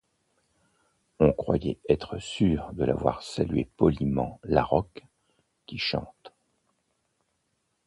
On croyait être sûr de l’avoir vu saluer poliment la Roque qui Chante.